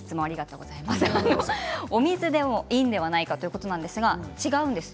お水でもいいんではないかということですが違うんです。